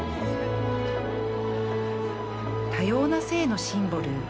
多様な性のシンボル